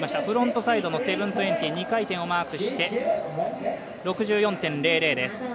フロントサイドの７２０、２回転をマークして６４．００です。